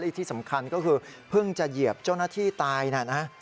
อีกที่สำคัญก็คือเพิ่งจะเหยียบเจ้าหน้าที่ตายนะฮะ